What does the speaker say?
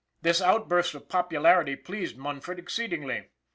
This outburst of popularity pleased Munford ex ceedingly.